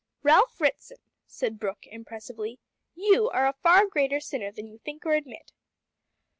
"Ralph Ritson," said Brooke impressively, "you are a far greater sinner than you think or admit."